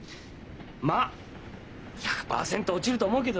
まあ１００％落ちると思うけどな。